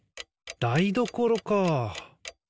だいどころかあ。